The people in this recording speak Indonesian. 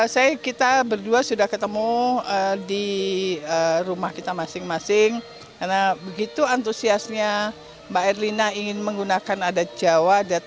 saya kita berdua sudah ketemu di rumah kita masing masing karena begitu antusiasnya mbak erlina ingin menggunakan adat jawa